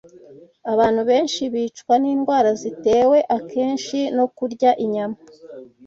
Abantu benshi bicwa n’indwara zitewe akenshi no kurya inyama